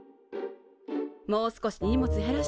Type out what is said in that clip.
もう少し荷物減らしたら？